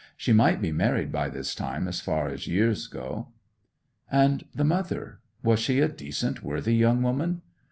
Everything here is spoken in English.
She might be married by this time as far as years go.' 'And the mother—was she a decent, worthy young woman?